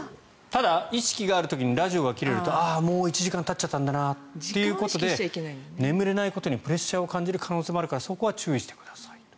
ただ、意識がある時にラジオが切れるとああ、もう１時間たっちゃったんだなということで眠れないことにプレッシャーを感じることもあるからそこは注意してくださいと。